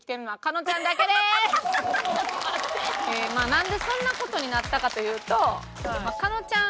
なんでそんな事になったかというと加納ちゃん